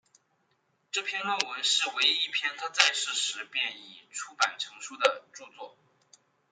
这篇论文是唯一一篇他在世时便已出版成书的着作。